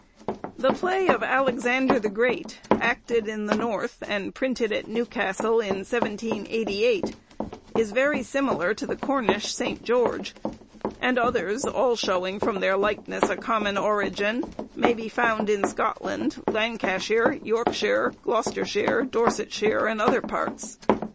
The play of 'Alexander the Great,' acted in the north, and printed at Newcastle, in 1788, is very similar to the Cornish St. George; and others, all showing from their likeness a common origin, may be found in Scotland, Lancashire, Yorkshire, Gloucestershire, Dorsetshire, and other parts.